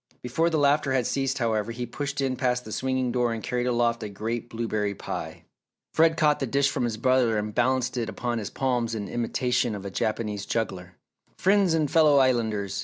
Before the laughter had ceased however, he pushed in past the swinging door and carried aloft a great blueberry pie. Fred caught the dish from his brother and balanced it upon his palms in imitation of a Japanese juggler. "Friends and fellow Islanders!